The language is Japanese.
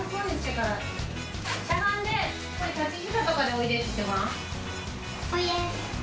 しゃがんで立ち膝とかで「おいで」って言ってごらん。